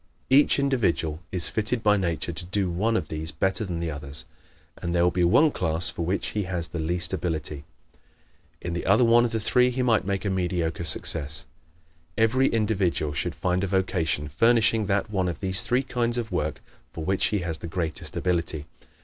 Each individual is fitted by nature to do one of these better than the others and there will be one class for which he has the least ability. In the other one of the three he might make a mediocre success. Every individual should find a vocation furnishing that one of these three kinds of work for which he has the greatest ability.